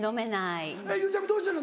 ゆうちゃみどうしてんの？